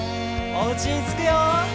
「おうちにつくよ」